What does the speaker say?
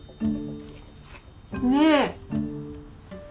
ねえ！